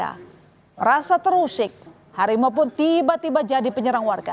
harimau ini juga terasa terusik harimau pun tiba tiba jadi penyerang warga